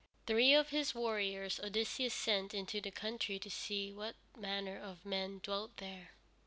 Three of his warriors Odysseus sent into the country to see what manner of men dwelt there.